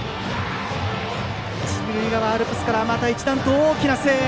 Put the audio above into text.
一塁側アルプスからまた一段と大きな声援。